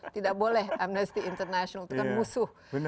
tidak boleh amnesty international itu kan musuh